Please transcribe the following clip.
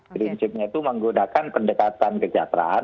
prinsipnya itu menggunakan pendekatan kesejahteraan